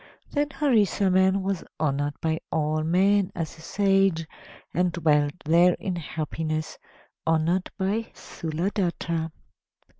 Then Harisarman was honored by all men as a sage, and dwelt there in happiness, honored by Sthuladatta.